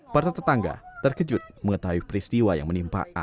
para tetangga terkejut mengetahui peristiwa yang menimpa a